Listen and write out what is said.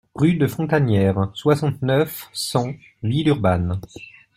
Rue de Fontanières, soixante-neuf, cent Villeurbanne